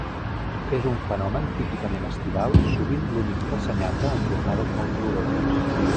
És un fenomen típicament estival sovint l’únic ressenyable en jornades molt caloroses.